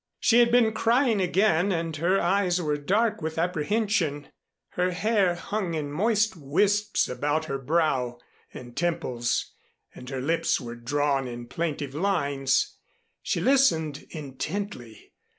She had been crying again and her eyes were dark with apprehension. Her hair hung in moist wisps about her brow and temples and her lips were drawn in plaintive lines. She listened intently.